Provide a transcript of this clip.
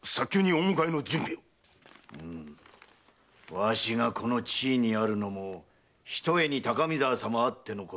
わしがこの地位にあるのもひとえに高見沢様あってのこと。